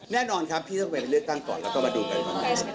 แน่นอนครับพี่ต้องไปเลือกตั้งก่อนแล้วก็มาดูกัน